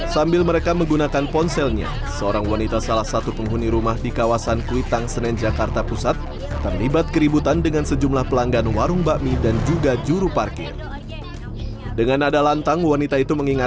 sampai jumpa di video selanjutnya